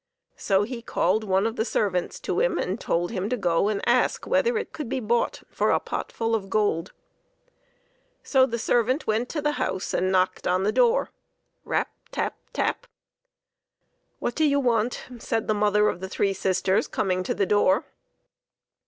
So he called one of the servants to him, and told him to go and ask whether it could be bought for a potful of gold. THE APPLE OF CONTENTMENT, III So the servant went to the house, and knocked on the door rap ! tap ! tap ! "What do you want?" said the mother of the three sisters, coming to the door.